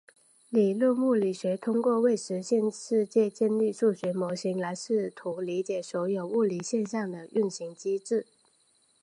理论物理学通过为现实世界建立数学模型来试图理解所有物理现象的运行机制。